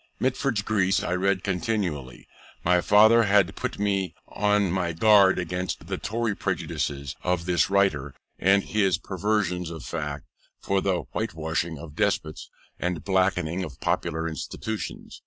Mitford's Greece I read continually; my father had put me on my guard against the Tory prejudices of this writer, and his perversions of facts for the whitewashing of despots, and blackening of popular institutions.